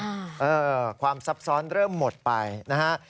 เออความซับซ้อนเริ่มหมดไปนะฮะ